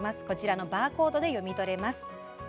こちらのバーコードで読み取れます。